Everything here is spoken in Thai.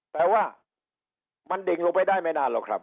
แต่ว่ามันดิ่งลงไปได้ไม่นานหรอกครับ